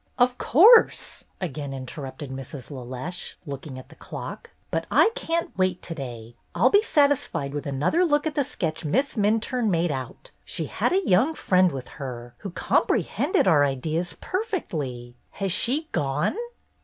"Of course," again interrupted Mrs. Le Leche, looking at the clock, "but I can't wait to day. I'll be satisfied with another look at the sketch Miss Minturne made out. She had a young friend with her who comprehended our ideas perfectly. Has she gone?"